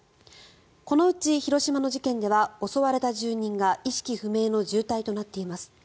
このうち広島の事件では襲われた住人が意識不明の重体となっています。